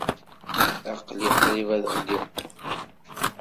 Aql-i qrib ad ɣliɣ.